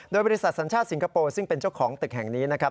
โดยบริษัทสัญชาติสิงคโปร์ซึ่งเป็นเจ้าของตึกแห่งนี้นะครับ